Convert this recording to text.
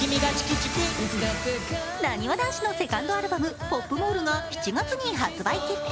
なにわ男子のセカンドアルバム、「ＰＯＰＭＡＬＬ」が７月に発売決定！